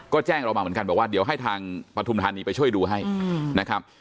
ก็แจ้งเรามาเหมือนกันบอกว่าเดี๋ยวให้ทางปฐุมธานีไปช่วยดูให้นะครับ